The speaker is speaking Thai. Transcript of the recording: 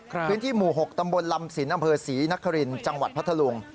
พื้นที่หมู่๖ตำบลลำสินอำเภอศรีนครินทร์จังหวัดพัทธลุง